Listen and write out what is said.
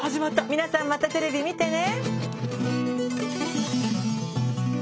皆さんまたテレビ見てね。